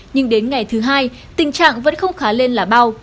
nhưng đến ngày thứ hai tình trạng vẫn không khá lên là bao